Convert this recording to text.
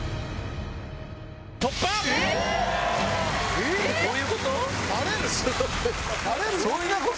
えっ⁉どういうこと